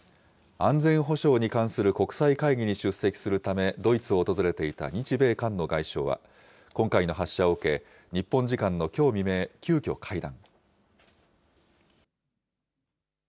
安全保障に関する国際会議に出席するためドイツを訪れていた日米韓の外相は、今回の発射を受け、日本時間のきょう未明、急きょ、会談。